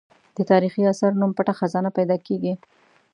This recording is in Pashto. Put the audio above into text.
د تاریخي اثر نوم پټه خزانه پیدا کېږي.